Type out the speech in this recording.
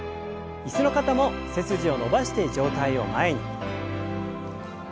椅子の方も背筋を伸ばして上体を前に。